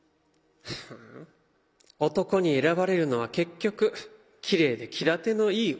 男に選ばれるのは結局きれいで気立てのいい女。